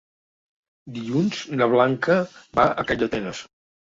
Dilluns na Blanca va a Calldetenes.